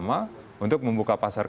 nah intra asia tantangannya adalah produknya